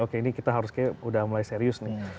oke ini kita harus kayaknya udah mulai serius nih